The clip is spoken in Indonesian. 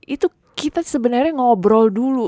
itu kita sebenarnya ngobrol dulu